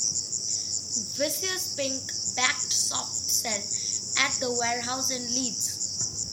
Vicious Pink backed Soft Cell at The Warehouse in Leeds.